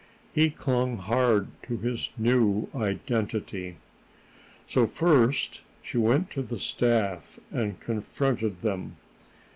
He clung hard to his new identity. So first she went to the staff and confronted them.